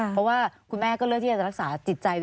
เพราะว่าคุณแม่ก็เลือกที่จะรักษาจิตใจ